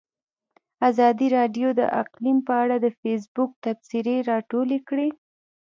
ازادي راډیو د اقلیم په اړه د فیسبوک تبصرې راټولې کړي.